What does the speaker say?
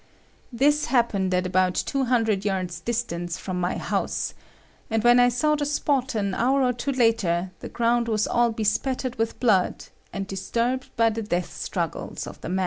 This happened at about two hundred yards' distance from my house, and when I saw the spot an hour or two later, the ground was all bespattered with blood, and disturbed by the death struggles of the man.